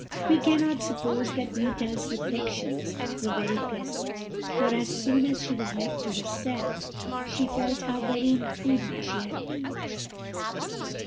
"We cannot suppose that Meeta's reflections were very pleasant, for, as soon as she was left to herself, she felt how very imprudent she had been.